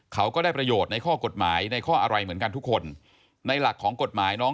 เขาก็ได้ประโยชน์ในข้อกฎหมายในข้ออะไรเหมือนกันทุกคน